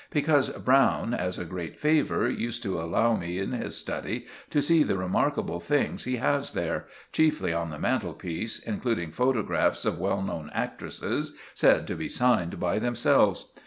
Because Browne, as a great favour, used to allow me in his study to see the remarkable things he has there—chiefly on the mantelpiece, including photographs of well known actresses, said to be signed by themselves.